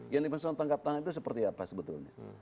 yang dimaksudkan tangkap tangan itu seperti apa sebetulnya